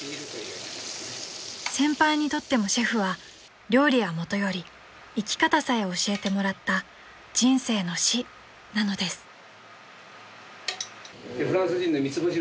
［先輩にとってもシェフは料理はもとより生き方さえ教えてもらった人生の師なのです］